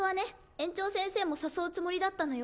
園長先生も誘うつもりだったのよ。